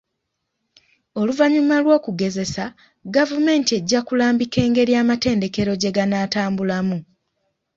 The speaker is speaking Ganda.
Oluvanyuma lw'okugezesa gavumenti ejja kulambika engeri amatendekero gye ganaatambulamu.